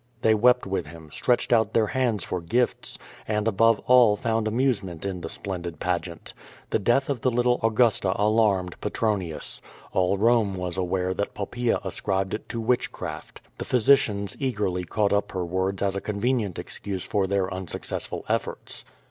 They wept with him, stretched out QUO VADI8, 115 their hands for gifts, and above all found amusement in the splendid pageant. The death of the little Augusta alarmed Petronius. All Home was aware that Poppaea ascribed it to witchcraft. The physicians eagerly caught up her words as a convenient excuse for their unsuccessful efforts.